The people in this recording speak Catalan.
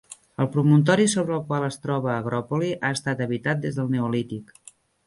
El promontori sobre el qual es troba Agropoli ha estat habitat des del neolític.